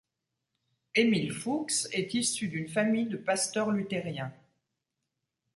Emil Fuchs est issu d'une famille de pasteurs luthériens.